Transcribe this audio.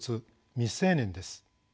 「未成年」です。